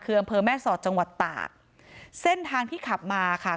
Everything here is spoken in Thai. คืออำเภอแม่สอดจังหวัดตากเส้นทางที่ขับมาค่ะ